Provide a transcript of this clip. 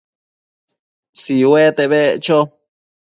Tsiute beccho